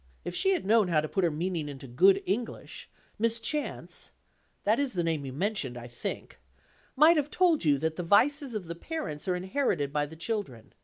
If she had known how to put her meaning into good English, Miss Chance that is the name you mentioned, I think might have told you that the vices of the parents are inherited by the children.